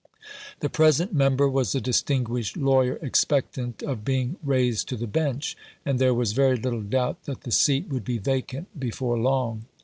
The present member was a distinguised lawyer expectant of being raised to the Bench, and there was very little doubt that the seat would be vacant before long.